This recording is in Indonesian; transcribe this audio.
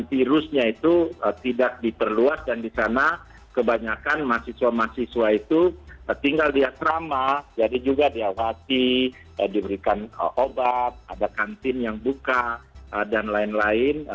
virusnya itu tidak diperluas dan di sana kebanyakan mahasiswa mahasiswa itu tinggal di asrama jadi juga diawati diberikan obat ada kantin yang buka dan lain lain